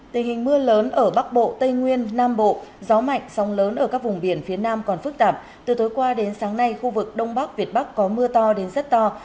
tình hình mưa lớn ở bắc bộ tây nguyên nam bộ gió mạnh sóng lớn ở các vùng biển phía nam còn phức tạp từ tối qua đến sáng nay khu vực đông bắc việt bắc có mưa to đến rất to